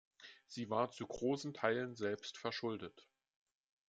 Sie war zu großen Teilen selbst verschuldet.